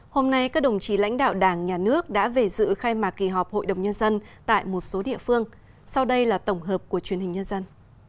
hôm nay các đồng chí lãnh đạo đảng nhà nước đã về dự khai mạc kỳ họp hội đồng nhân dân tại một số địa phương sau đây là tổng hợp của truyền hình nhân dân